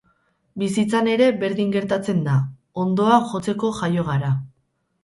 Bizitzan ere berdin gertatzen da, hondoa jotzeko jaio gara.